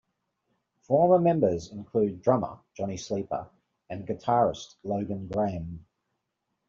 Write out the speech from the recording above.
Former members include drummer Johnny Sleeper and guitarist Logan Graham.